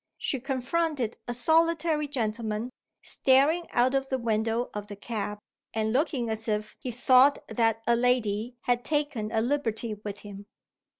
She confronted a solitary gentleman, staring out of the window of the cab, and looking as if he thought that a lady had taken a liberty with him.